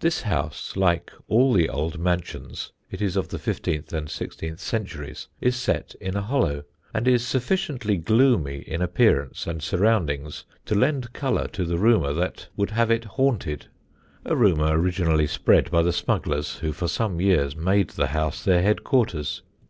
This house, like all the old mansions (it is of the fifteenth and sixteenth centuries), is set in a hollow, and is sufficiently gloomy in appearance and surroundings to lend colour to the rumour that would have it haunted a rumour originally spread by the smugglers who for some years made the house their headquarters.